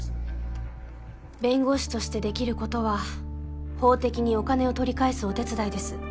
弁護士としてできることは法的にお金を取り返すお手伝いです。